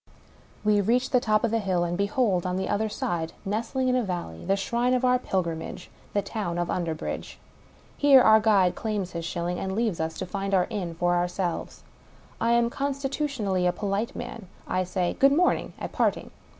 We reach the top of the hill — and, behold on the other 216 WUkie Collins side, nestling in a valley, the shrine of our pilgrimage, the town of Underbridge I Here our guide claims his shilling, and leaves us to find out the inn for ourselves. I am constitutionally a polite man. I say " Good morning " at parting.